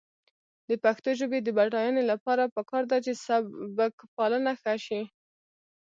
د پښتو ژبې د بډاینې لپاره پکار ده چې سبکپالنه ښه شي.